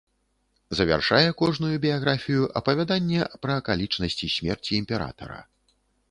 Завяршае кожную біяграфію апавяданне пра акалічнасці смерці імператара.